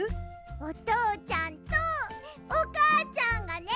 おとうちゃんとおかあちゃんがね